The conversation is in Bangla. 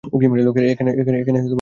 এখানে দাঁড়াইয়া থাকিয়া কী হইবে!